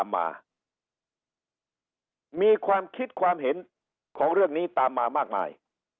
มามีความคิดความเห็นของเรื่องนี้ตามมามากมาย